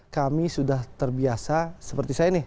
kami sudah terbiasa seperti saya nih